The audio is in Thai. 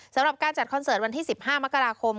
สำหรับการจัดคอนเสิร์ตวันที่๑๕มกราคม